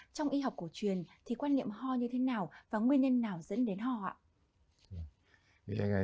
trong y học cổ truyền thì quan niệm ho như thế nào và nguyên nhân nào dẫn đến ho ạ